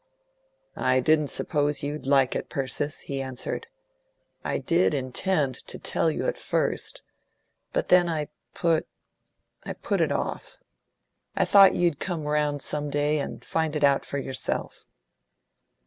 "I didn't suppose you'd like it, Persis," he answered. "I did intend to tell you at first, but then I put I put it off. I thought you'd come round some day, and find it out for yourself."